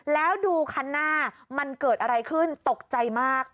แล้วดูคันหน้ามันเกิดอะไรขึ้นตกใจมาก